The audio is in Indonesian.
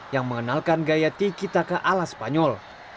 yang mengenalkan gaya tiki taka ala spanyol